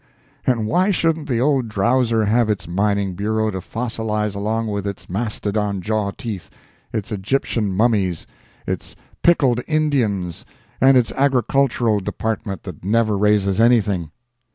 And why shouldn't the old drowser have its Mining Bureau to fossilize along with its mastodon jaw teeth, its Egyptian mummies, its pickled Indians and its Agricultural Department that never raises anything?